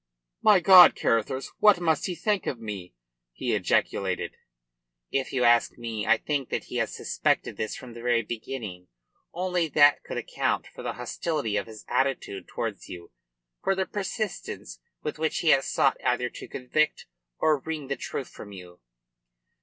"My God, Carruthers! What must he think of me?" he ejaculated. "If you ask me, I think that he has suspected this from the very beginning. Only that could account for the hostility of his attitude towards you, for the persistence with which he has sought either to convict or wring the truth from you."